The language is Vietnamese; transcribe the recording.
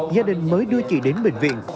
gia đình mới đưa chị đến bệnh viện